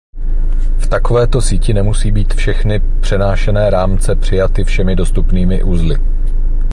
V takovéto síti nemusí být všechny přenášené rámce přijaty všemi dostupnými uzly.